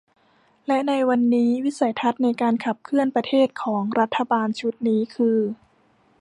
และในวันนี้วิสัยทัศน์ในการขับเคลื่อนประเทศของรัฐบาลชุดนี้คือ